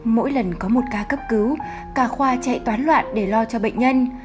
mỗi lần có một ca cấp cứu cả khoa chạy toán loạn để lo cho bệnh nhân